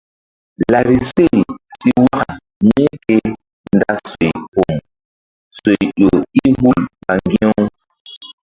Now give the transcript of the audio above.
Larise si waka mí ke nda soy pom soy ƴo i hul ɓa ŋgi̧-u.